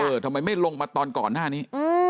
ทำไมไม่ลงมาตอนก่อนหน้านี้